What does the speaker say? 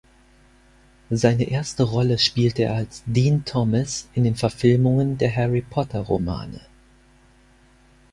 Seine erste Rolle spielte er als "Dean Thomas" in den Verfilmungen der "Harry-Potter"-Romane.